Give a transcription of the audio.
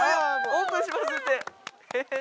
「オープンします」って！